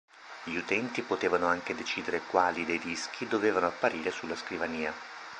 Gli utenti potevano anche decidere quali dei dischi dovevano apparire sulla scrivania.